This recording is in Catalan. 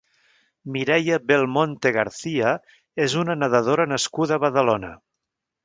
Mireia Belmonte García és una nedadora nascuda a Badalona.